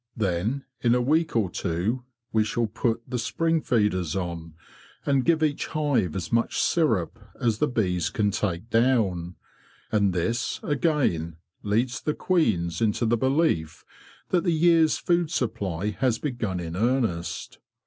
Then in a week or two we shall put the spring FEBRUARY AMONGST THE HIVES 27 feeders on, and give each hive as much syrup as the bees can take down; and this, again, leads the queens into the belief that the year's food supply has begun in earnest.